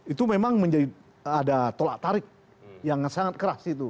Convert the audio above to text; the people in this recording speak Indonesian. itu memang menjadi ada tolak tarik yang sangat keras itu